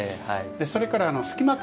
それから隙間風